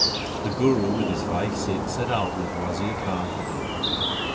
The Guru with his five Sikhs set out with Wazir Khan for Dihli.